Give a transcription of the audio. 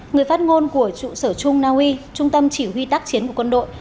người phát ngôn của trụ sở trung naui trung tâm chỉ huy tác chiến của quân đội